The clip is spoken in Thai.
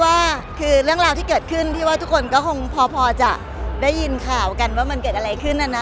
ก็ก็ได้ยืนบ้างทีมายคนอยากอยากทราบเห็นผมที่จริงจริงมีความที่ขวัญล่ะ